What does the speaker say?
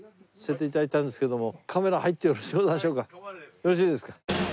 よろしいですか？